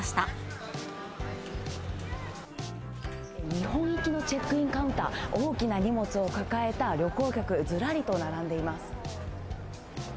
日本行きのチェックインカウンター、大きな荷物を抱えた旅行客、ずらりと並んでいます。